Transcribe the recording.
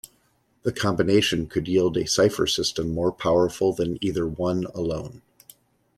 The combination could yield a cipher system more powerful than either one alone.